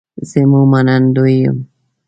زه مو منندوی یم